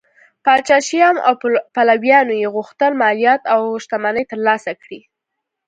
پاچا شیام او پلویانو یې غوښتل مالیات او شتمنۍ ترلاسه کړي